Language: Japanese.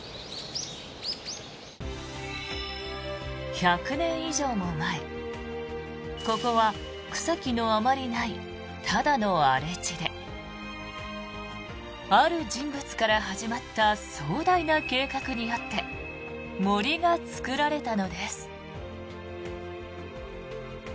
１００年以上も前ここは草木のあまりないただの荒れ地である人物から始まった壮大な計画によって杜が作られたのです。